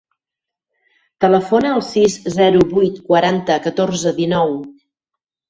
Telefona al sis, zero, vuit, quaranta, catorze, dinou.